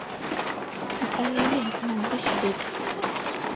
იტალიელი აზნაურის შვილი.